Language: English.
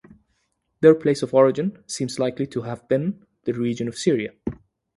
Their place of origin seems likely to have been the region of Syria.